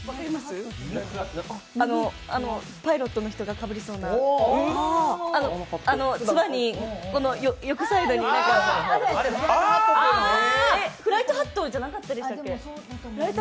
パイロットの人がかぶりそうなつばにフライトハットじゃなかったでしたっけ？